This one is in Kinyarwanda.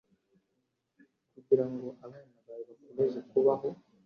kugira ngo abana bawe bakomeze kubaho